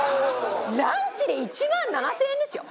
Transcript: ・ランチで１万７０００円ですよ！